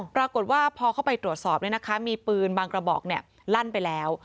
ปรากฏว่าพอเข้าไปตรวจสอบมีปืนบางกระบอกลั่นไปแล้ว